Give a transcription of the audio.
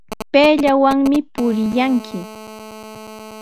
Payllawanmi purillanki.